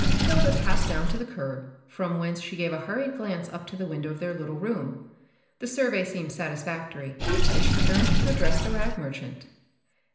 Hilda passed down to the curb, from whence she gave a hurried glance up to the window of their little room. The survey seemed satisfactory, and she turned to address the rag merchant.